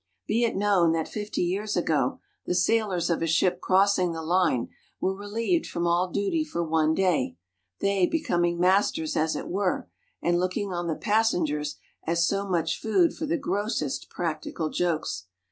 Be it known, that fifty years ago the sailors of a ship crossing the line were relieved from all duty for one day, they becoming masters, as it were, and looking on the passengers as so much food for the grossest practical jokes.